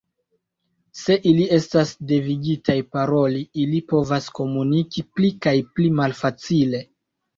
Se ili estas devigitaj paroli, ili povas komuniki pli kaj pli malfacile.